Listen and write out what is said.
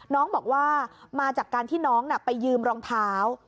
น้องบอกว่ามาจากการที่น้องไปยืมรองเท้า